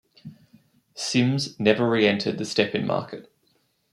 Sims never re-entered the step-in market.